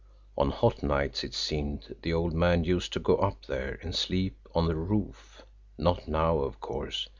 On hot nights, it seemed, the old man used to go up there and sleep on the roof not now, of course.